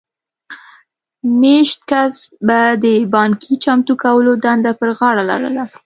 مېشت کس به د پانګې چمتو کولو دنده پر غاړه لرله